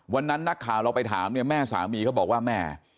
วันนั้นนักข่าวเราไปถามเนี่ยแม่สามีเขาบอกว่าแม่